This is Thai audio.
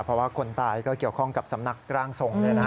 เพราะว่าคนตายก็เกี่ยวข้องกับสำนักร่างทรง